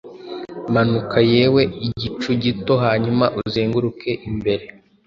Manuka, yewe Igicu gito, hanyuma uzenguruke imbere